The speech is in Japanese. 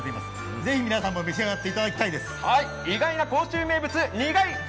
ぜひ皆さんも召し上がっていただきたいです。